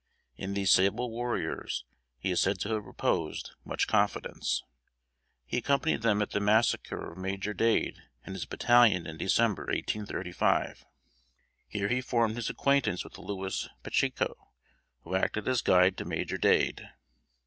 In these sable warriors he is said to have reposed much confidence. He accompanied them at the massacre of Major Dade and his battalion in December, 1835. Here he formed his acquaintance with Lewis Pacheco, who acted as guide to Major Dade.